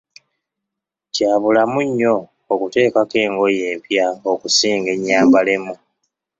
Kya bulamu nnyo okuteekako engoye empya okusinga enyambalemu.